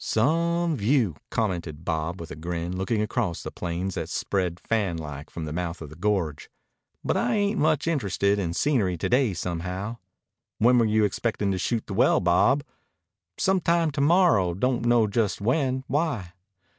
"Some view," commented Bob with a grin, looking across the plains that spread fanlike from the mouth of the gorge. "But I ain't much interested in scenery to day somehow." "When were you expectin' to shoot the well, Bob?" "Some time to morrow. Don't know just when. Why?"